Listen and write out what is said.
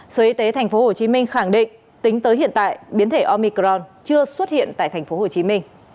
sở y tế tp hcm khẳng định tính tới hiện tại biến thể omicron chưa xuất hiện tại tp hcm